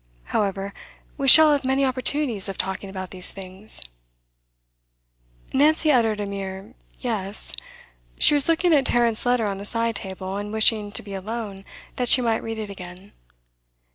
However, we shall have many opportunities of talking about these things.' Nancy uttered a mere 'Yes.' She was looking at Tarrant's letter on the side table, and wishing to be alone that she might read it again.